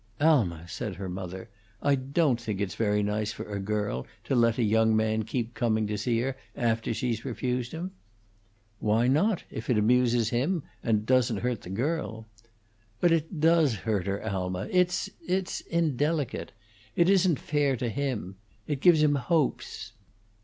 "Alma," said her mother, "I don't think it's very nice for a girl to let a young man keep coming to see her after she's refused him." "Why not, if it amuses him and doesn't hurt the girl?" "But it does hurt her, Alma. It it's indelicate. It isn't fair to him; it gives him hopes."